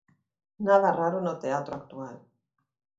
Nada raro no teatro actual.